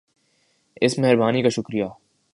اس مہربانی کا شکریہ